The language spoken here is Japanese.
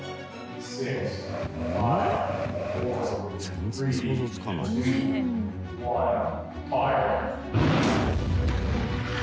全然想像つかない。